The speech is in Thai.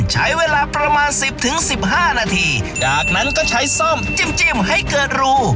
ใช้เวลาประมาณสิบถึงสิบห้านาทีจากนั้นก็ใช้ส้มจิ้มให้เกิดรู